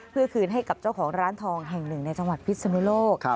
เพื่อคืนให้กับเจ้าของร้านทองแห่งหนึ่งในจังหวัดพิศนุโลก